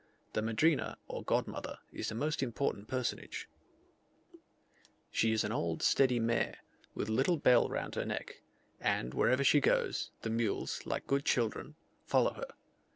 The madrina (or godmother) is a most important personage: She is an old steady mare, with a little bell round her neck; and wherever she goes, the mules, like good children, follow her.